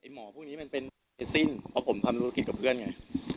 หมอพวกนี้มันเป็นเอซินเพราะผมทำธุรกิจกับเพื่อนไง